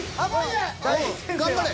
頑張れ！